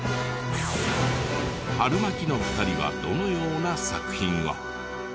はるまきの２人はどのような作品を？